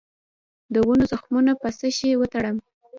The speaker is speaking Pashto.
د ونو زخمونه په څه شي وتړم؟